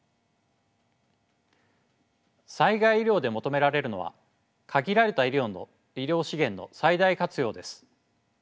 災害医療で求められるのは限られた医療資源の最大活用です。